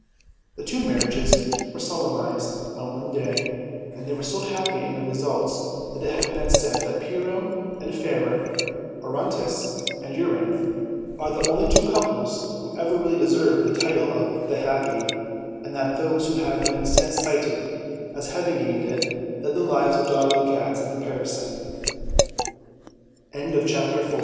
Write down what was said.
The two jksrriages were solemnized on one day; and they were so'happy in their results that it has been said that Pyrrho and Fairer, Orontes and Euryauthe, are the only two couples who ever really deserved the title of "the happy," and that those who have been since cited as having gained it led the lives of dogs and c